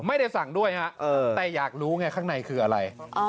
ไม่ได้สั่งด้วยฮะแต่อยากรู้ไงข้างในคืออะไร